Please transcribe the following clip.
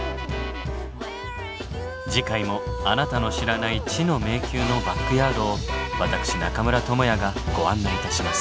次回もあなたの知らない知の迷宮のバックヤードを私中村倫也がご案内いたします。